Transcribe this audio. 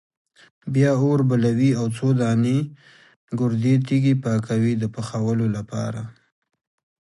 بیا اور بلوي او څو دانې ګردې تیږې پاکوي د پخولو لپاره.